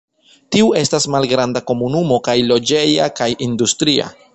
Tiu estas malgranda komunumo kaj loĝeja kaj industria.